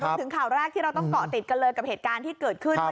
ถึงข่าวแรกที่เราต้องเกาะติดกันเลยกับเหตุการณ์ที่เกิดขึ้น